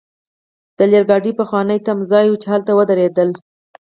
د اورګاډي پخوانی تمځای وو، چې هلته ودریدلو.